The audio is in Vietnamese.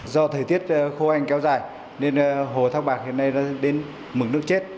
do thời tiết khô anh kéo dài nên hồ thác bạc hiện nay đã đến mực nước chết